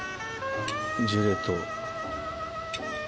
ジュレと。